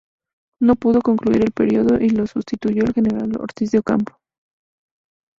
No pudo concluir el período y lo sustituyó el general Ortiz de Ocampo.